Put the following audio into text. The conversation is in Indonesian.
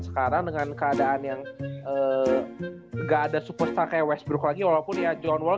sekarang dengan keadaan yang enggak ada super sakai westbrook lagi walaupun dia john wall